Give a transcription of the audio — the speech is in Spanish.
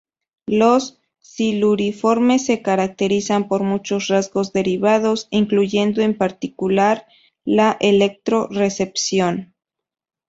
Los Siluriformes se caracterizan por muchos rasgos derivados, incluyendo en particular, la electro recepción.